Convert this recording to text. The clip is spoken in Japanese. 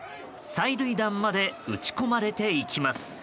催涙弾まで撃ち込まれていきます。